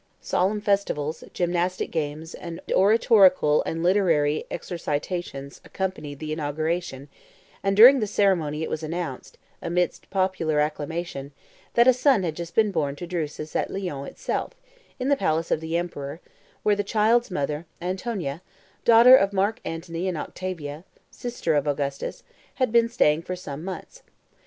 Solemn festivals, gymnastic games, and oratorical and literary exercitations accompanied the inauguration; and during the ceremony it was announced, amidst popular acclamation, that a son had just been born to Drusus at Lyons itself, in the palace of the emperor, where the child's mother, Antonia, daughter of Marc Antony and Octavia (sister of Augustus), had been staying for some months.